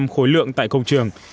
khối lượng tại công trường